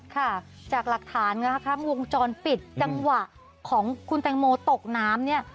ค่ะจากหลักฐานนะคะวงจรปิดจังหวะของคุณแตงโมตกน้ำเนี่ย